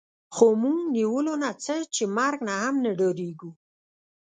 خو موږ نیولو نه څه چې مرګ نه هم نه ډارېږو